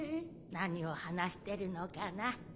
何を話してるのかな？